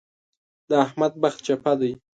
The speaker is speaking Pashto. د احمد بخت چپه دی.